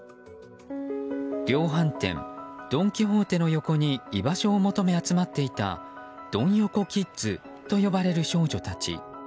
量販店ドン・キホーテの横に居場所を求め集まっていたドン横キッズと呼ばれる少女たち。